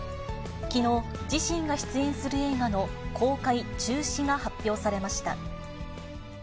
きのう、自身が出演する映画の公開中止が発表されました。